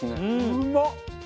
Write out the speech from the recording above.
うまっ！